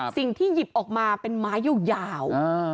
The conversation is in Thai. สิ่งที่หยิบออกมาเป็นไม้ยาว